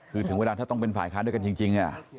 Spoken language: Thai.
คือถึงเวลาถ้าต้องเป็นฝ่ายค้านด้วยกันจริง